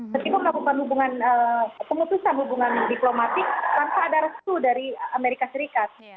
tetapi melakukan hubungan keputusan hubungan diplomatik tanpa ada resu dari amerika serikat